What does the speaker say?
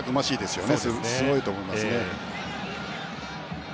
すごいと思いますね。